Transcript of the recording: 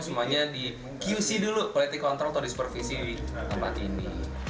semuanya di qc dulu politik kontrol atau disupervisi di tempat ini